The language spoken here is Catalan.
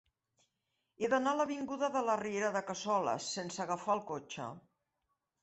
He d'anar a l'avinguda de la Riera de Cassoles sense agafar el cotxe.